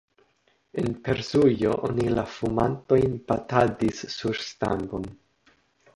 En Persujo oni la fumantojn batadis sur stangon.